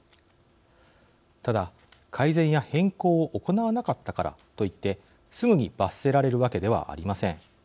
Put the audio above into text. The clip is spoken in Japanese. ただ改善や変更を行わなかったからといってすぐに罰せられるわけではありません。